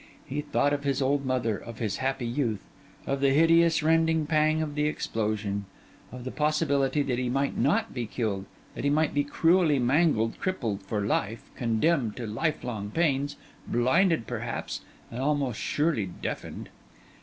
He thought of his old mother, of his happy youth; of the hideous, rending pang of the explosion; of the possibility that he might not be killed, that he might be cruelly mangled, crippled for life, condemned to lifelong pains, blinded perhaps, and almost surely deafened.